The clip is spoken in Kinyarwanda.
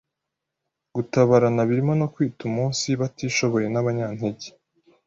Gutabarana birimo no kwita umunsi batishoboye n’abanyantege